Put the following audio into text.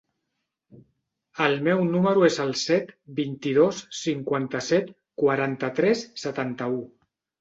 El meu número es el set, vint-i-dos, cinquanta-set, quaranta-tres, setanta-u.